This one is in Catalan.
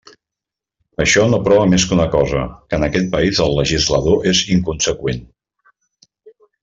Això no prova més que una cosa, que en aquest país el legislador és inconseqüent.